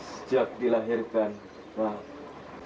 sejak dilahirkan pak